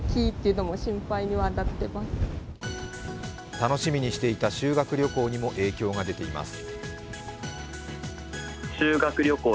楽しみにしていた修学旅行にも影響が出ています。